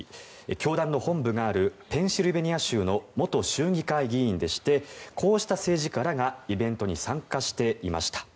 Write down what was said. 教団の本部があるペンシルベニア州の元州議会議員でしてこうした政治家らがイベントに参加していました。